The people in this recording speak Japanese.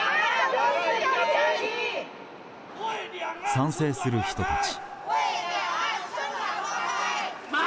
賛成する人たち。